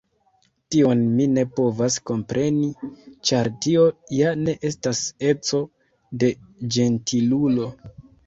Tion mi ne povas kompreni, ĉar tio ja ne estas eco de ĝentilulo.